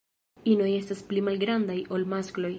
Inoj estas pli malgrandaj ol maskloj.